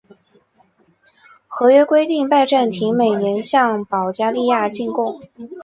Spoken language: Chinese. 合约规定拜占庭每年向保加利亚进贡。